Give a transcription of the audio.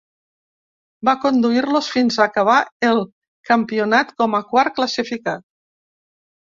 Va conduir-los fins a acabar el campionat com a quart classificat.